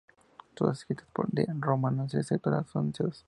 Todas escritas por The Ramones excepto la anunciadas.